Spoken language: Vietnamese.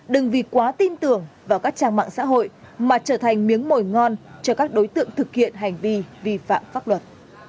đừng vì quá tin tưởng vào các trang mạng xã hội mà trở thành miếng mồi ngon cho các đối tượng thực hiện hành vi vi phạm pháp luật